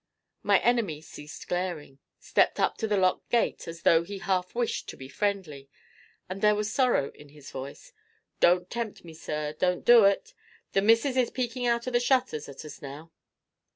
My enemy ceased glaring, stepped up to the locked gate as though he half wished to be friendly, and there was sorrow in his voice: "Don't tempt me, sir; don't do ut! The Missus is peekin' out of the shutters at us now."